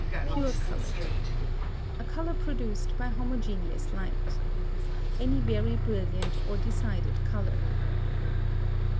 PURE COLOR. A color produced by homogeneous light. Any very brilliant or decided color.